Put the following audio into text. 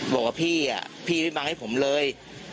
บอกว่าพี่พี่ไม่บังให้ผมเลย